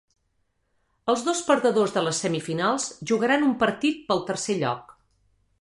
Els dos perdedors de les semifinals jugaran un partit pel tercer lloc.